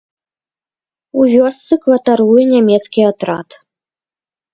У вёсцы кватаруе нямецкі атрад.